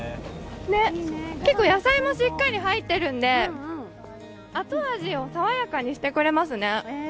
結構野菜もしっかり入っているので、後味を爽やかにしてくれますね。